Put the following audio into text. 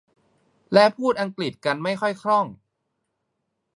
และพูดอังกฤษกันไม่ค่อยคล่อง